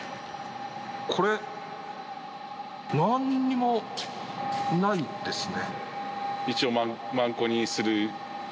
これ、何もないですね。